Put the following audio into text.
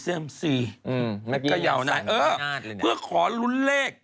มักยิ่งสรรคงงาดเลยเนี่ยนะฮะเออเพื่อขอรุนเลข